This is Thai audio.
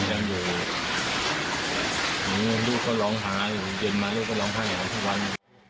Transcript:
มันอยู่ลูกก็ร้องหาหรือเย็นมาลูกก็ร้องหาอย่างนั้นทุกวัน